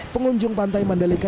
pengunjung pantai mandalika